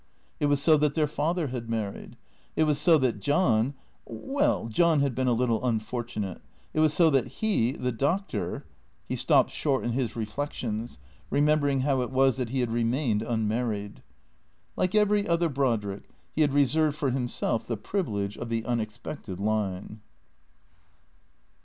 It was so that their father had married. It was so that John — well, John had been a little unfortunate. It was so that he, the Doctor He stopped short in his reflections, remembering how it was that he had remained unmarried. Like every other Brodrick he had reserved for himself the privilege of the unexpected line.